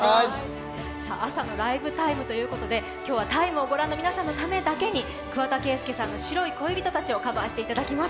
「朝のライブ ＴＩＭＥ，」ということで今日は「ＴＩＭＥ，」を御覧の皆様のためだけに桑田佳祐さんの「白い恋人達」をカバーしていただきます。